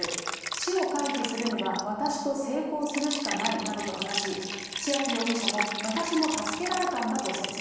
死を回避するには、私と性交するしかないなどと話し、千秋容疑者も私も助けられたんだと説明。